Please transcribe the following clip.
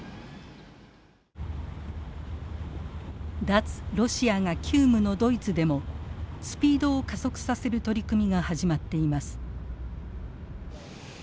脱ロシアが急務のドイツでもスピードを加速させる取り組みが始まっています。